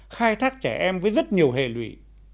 khai thác trẻ em với rất nhiều hệ lụy